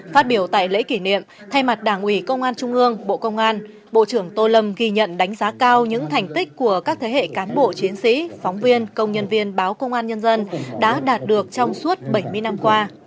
phát biểu tại lễ kỷ niệm thay mặt đảng ủy công an trung ương bộ công an bộ trưởng tô lâm ghi nhận đánh giá cao những thành tích của các thế hệ cán bộ chiến sĩ phóng viên công nhân viên báo công an nhân dân đã đạt được trong suốt bảy mươi năm qua